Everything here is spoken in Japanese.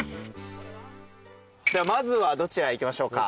まずはどちらへ行きましょうか。